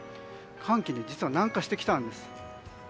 寒気、実は南下してきたんです。